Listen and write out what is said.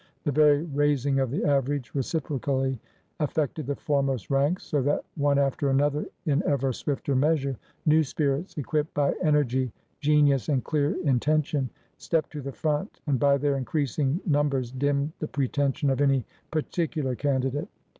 The very raising of the averag^e reciprocally affected the foremost ranks, so that one after another in ever swifter measure, new spirits, equipped by energy, genius, and clear inten tion, stepped to the fh)nt and by their increasing num bers dimmed the pretension of any particular candi date.